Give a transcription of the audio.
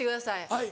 はい。